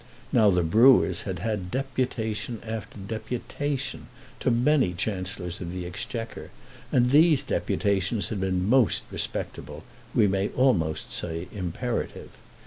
Now the Brewers had had deputation after deputation to many Chancellors of the Exchequer; and these deputations had been most respectable, we may almost say imperative.